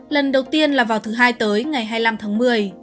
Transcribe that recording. lần đầu tiên là vào thứ hai tới ngày hai mươi năm tháng một mươi